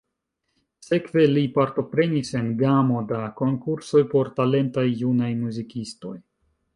Sekve li partoprenis en gamo da konkursoj por talentaj junaj muzikistoj.